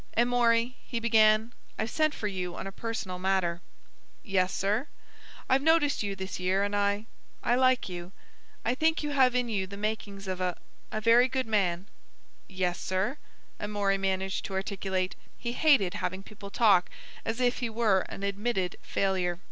"Amory," he began. "I've sent for you on a personal matter." "Yes, sir." "I've noticed you this year and I—I like you. I think you have in you the makings of a—a very good man." "Yes, sir," Amory managed to articulate. He hated having people talk as if he were an admitted failure.